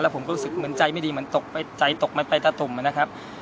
แล้วผมก็รู้สึกเหมือนใจไม่ดีเหมือนใจตกไปไปตะตุ่มนะครับ